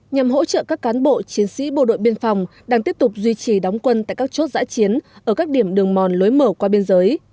nhằm hỗ trợ các cán bộ chiến sĩ bộ đội biên phòng đang tiếp tục duy trì đóng quân tại các chốt giã chiến ở các điểm đường mòn lối mở qua biên giới